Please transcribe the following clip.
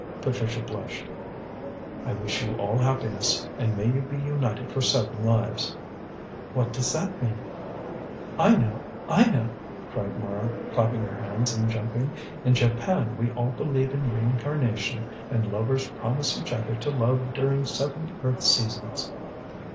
Patricia blushed. "I wish you all happiness, and may you be united for seven lives." "What does that mean?" "I know! I know!" cried Mara, clapping her hands and jumping; "in Japan we all believe in reincarnation, and lovers promise each other to love during seven earth seasons."